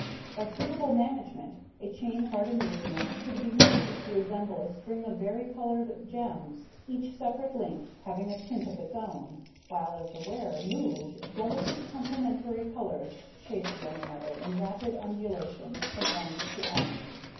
By suitable management a chain of artemisium could be made to resemble a string of vari colored gems, each separate link having a tint of its own, while, as the wearer moved, delicate complementary colors chased one another, in rapid undulation, from end to end.